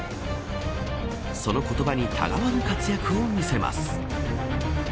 その言葉に違わぬ活躍を見せます。